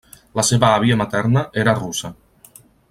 La seva àvia materna era russa.